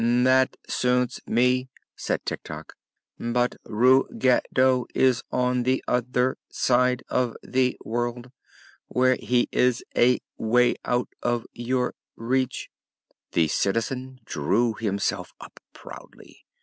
"That suits me," said Tik Tok. "But Rug ge do is on the o ther side of the world where he is a way out of your reach." The Citizen drew himself up proudly.